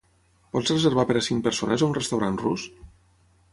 Pots reservar per a cinc persones a un restaurant rus?